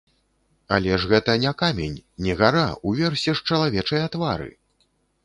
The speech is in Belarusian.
Але ж гэта не камень, не гара, уверсе ж чалавечыя твары!